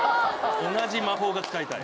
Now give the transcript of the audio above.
同じ魔法が使いたい。